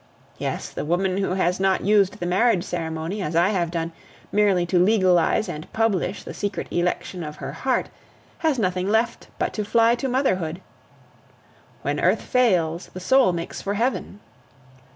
Yes, the woman who has not used the marriage ceremony, as I have done, merely to legalize and publish the secret election of her heart, has nothing left but to fly to motherhood. When earth fails, the soul makes for heaven!